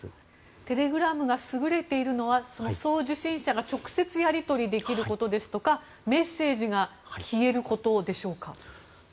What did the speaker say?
テレグラムが優れているのは、送受信者が直接、やり取りできることやメッセージが消えることでしょうか。